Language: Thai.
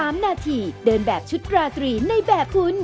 เป็นแบบชุดกราตรีในแบบคุณ